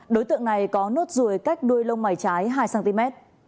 đối tượng này có nốt ruồi cách đuôi lông mày trái hai cm